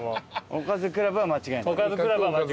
おかずクラブは間違いない。